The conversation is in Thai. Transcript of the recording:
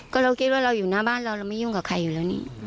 ก็เราคิดว่าเราอยู่หน้าบ้านเราเราไม่ยุ่งกับใครอยู่แล้วนี่